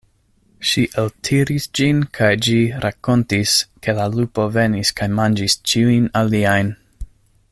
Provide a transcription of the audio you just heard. Ŝi eltiris ĝin kaj ĝi rakontis, ke la lupo venis kaj manĝis ĉiujn aliajn.